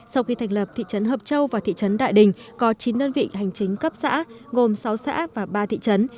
sau khi thành lập thị trấn hợp châu và thị trấn đại đình có chín đơn vị hành chính cấp xã gồm sáu xã và ba thị trấn